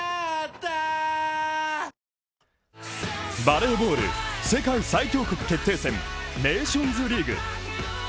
ＪＴバレーボール世界最強国決定戦ネーションズリーグ。